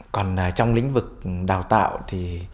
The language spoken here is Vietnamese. còn trong lĩnh vực đào tạo thì